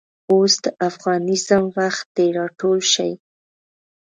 اوس دافغانیزم وخت دی راټول شئ